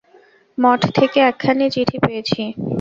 মঠ থেকে একখানি চিঠি পেয়েছি।